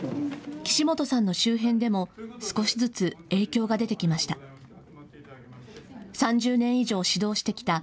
岸本さんの周辺でも少しずつ影響が出てきました。